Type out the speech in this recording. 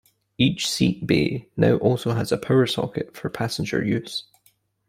Each seat bay now also has a power socket for passenger use.